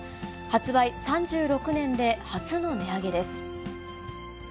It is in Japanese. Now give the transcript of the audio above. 発売３６年で初の値上げです。